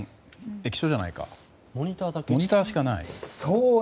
液晶じゃないかモニターしかない。